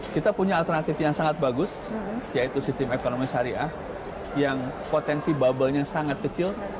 kita punya alternatif yang sangat bagus yaitu sistem ekonomi syariah yang potensi bubble nya sangat kecil